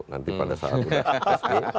nanti pada saat sudah